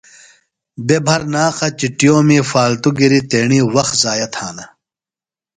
بےۡ بھرناقہ چُٹِیومی فالتُوۡ گِریۡ تیݨی وخت ضائع تھانہ۔